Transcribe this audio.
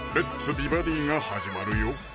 美バディ」が始まるよ